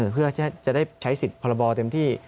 เพื่อจะได้ใช้สิทธิ์พรบเต็มที่